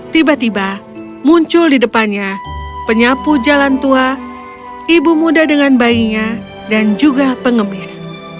tiba tiba muncul di depannya penyapu jalan tua ibu muda dengan bayinya dan juga pengemis